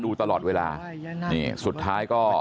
สวัสดีครับคุณผู้ชาย